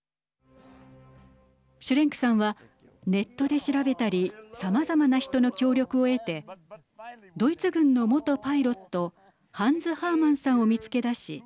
シュレンクさんはネットで調べたりさまざまな人の協力を得てドイツ軍の元パイロットハンズ・ハーマンさんを見つけ出し